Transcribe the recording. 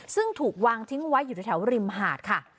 ซึ่งถูกวางทิ้งไว้อยู่ในแถวริมหาดค่ะ